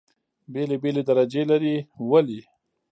بېلې بېلې درجې لري. ولې؟